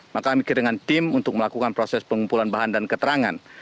maka mikir dengan tim untuk melakukan proses pengumpulan bahan dan keterangan